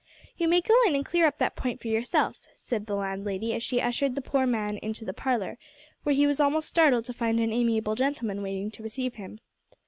"You may go in and clear up that point for yourself," said the landlady, as she ushered the poor man into the parlour, where he was almost startled to find an amiable gentleman waiting to receive him.